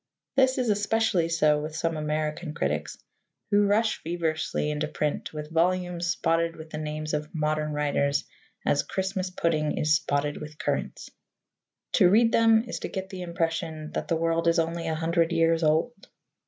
This is especially so with some American critics, who rush feverishly into print with volumes spotted with the names of modern writers as Christmas pudding is spotted with currants. To read them is to get the impression that the world is only a hundred years old.